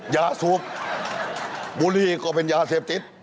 ยาสูบบุหรี่ก็เป็นยาเสพติด